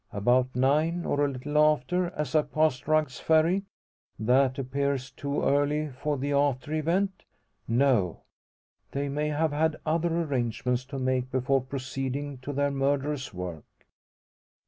About nine, or a little after, as I passed Rugg's Ferry. That appears too early for the after event? No! They may have had other arrangements to make before proceeding to their murderous work.